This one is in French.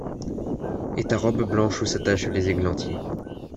Et ta robe blanche où s'attachent les églantiers